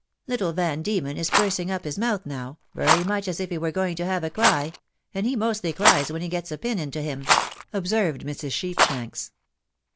Little Van Diemen is pursing up his mouth now, very much as if he were going to have a cry — and he mostly cries when he gets a pin into him," observed Mrs. Sheepshanks.